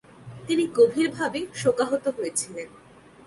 তিনি গভীরভাবে শোকাহত হয়েছিলেন।